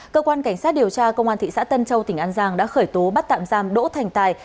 cơ quan cảnh sát điều tra công an thị xã tân châu tỉnh an giang đã khởi tố bắt tạm giam đỗ thành tài